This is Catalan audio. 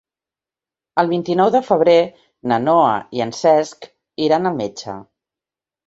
El vint-i-nou de febrer na Noa i en Cesc iran al metge.